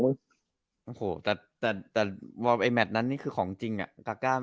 โอ้โหแต่ไอแมทนั้นนี่คือของจริงอะ